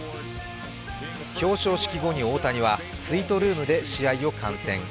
表彰式後に大谷はスイートルームで試合を観戦。